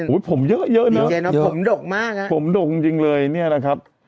อุ้ยผมเยอะนะผมดกมากนะผมดกจริงเลยเนี่ยนะครับ